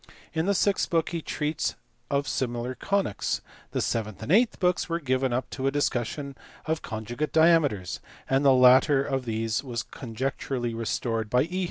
In the sixth book he treats of similar conies. The seventh and eighth books were given up to a discussion of conj ugate diameters, the latter of these was conjecturally restored by E.